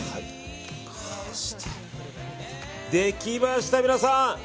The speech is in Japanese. できました、皆さん。